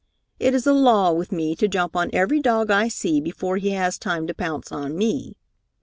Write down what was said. It is a law with me to jump on every dog I see before he has time to pounce on me.